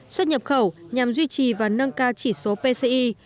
xuất nhập khẩu nhằm duy trì và nâng cao chỉ số pci